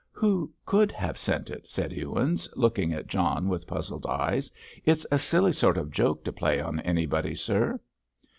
"Who could have sent it?" said Ewins, looking at John with puzzled eyes; "it's a silly sort of joke to play on anybody, sir."